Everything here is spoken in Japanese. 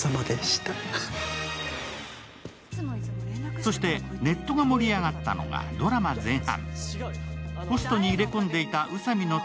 そしてネットが盛り上がったのがドラマ前半。